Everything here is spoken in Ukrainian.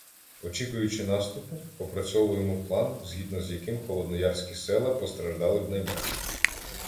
Очікуючи наступу, опрацьовуємо план, згідно з яким холодноярські села постраждали б найменше.